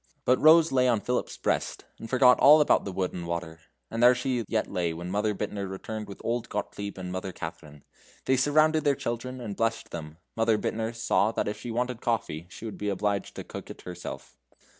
But Rose lay on Philip's breast, and forgot all about the wood and water. And there she yet lay when Mother Bittner returned with old Gottlieb and Mother Katharine. They surrounded their children and blessed them. Mother Bittner saw if she wanted coffee, she would be obliged to cook it herself.